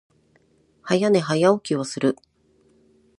早寝、早起きをする。